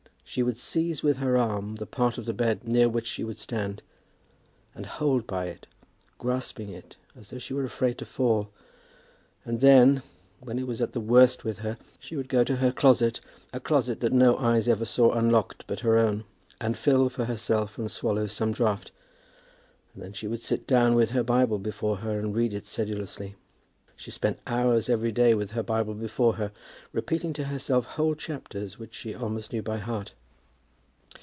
She would seize with her arm the part of the bed near which she would stand, and hold by it, grasping it, as though she were afraid to fall; and then, when it was at the worst with her, she would go to her closet, a closet that no eyes ever saw unlocked but her own, and fill for herself and swallow some draught; and then she would sit down with the Bible before her, and read it sedulously. She spent hours every day with her Bible before her, repeating to herself whole chapters, which she almost knew by heart.